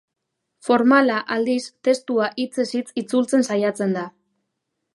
Formala, aldiz, testua hitzez hitz itzultzen saiatzen da.